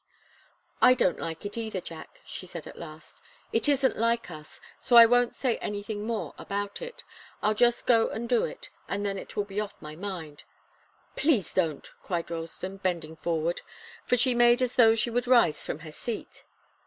"I don't like it either, Jack," she said at last. "It isn't like us. So I won't say anything more about it. I'll just go and do it, and then it will be off my mind." "Please don't!" cried Ralston, bending forward, for she made as though she would rise from her seat.